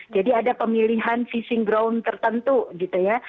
jadi ada pemilihan fishing ground tertentu gitu ya